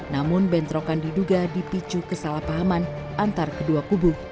namun bentrokan diduga dipicu kesalahpahaman antar kedua kubu